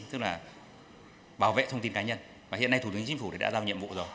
tức là bảo vệ thông tin cá nhân